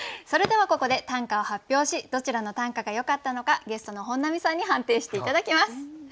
それではここで短歌を発表しどちらの短歌がよかったのかゲストの本並さんに判定して頂きます。